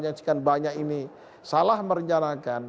yang sekian banyak ini salah merencanakan